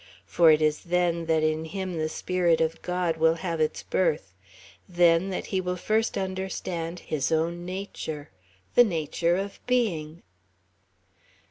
For it is then that in him the spirit of God will have its birth, then that he will first understand his own nature ... the nature of being.